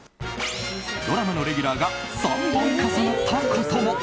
ドラマのレギュラーが３本重なったことも。